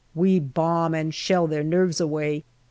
We bomb and shell their nerves away.